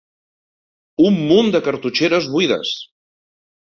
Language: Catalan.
Un munt de cartutxeres buides